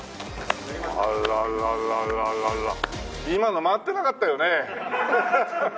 今の回ってなかったよね？